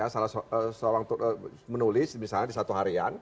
salah seorang menulis misalnya di satu harian